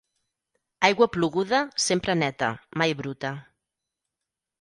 Aigua ploguda, sempre neta, mai bruta.